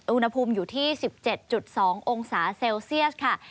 อุณหภูมิอยู่ที่๑๗๒องศาเซลเซียสค่ะ